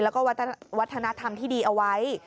แล้วก็วัฒนธรรมที่ดีเอาไว้